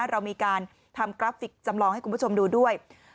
เรามีการทำกราฟิกจำลองให้คุณผู้ชมดูด้วย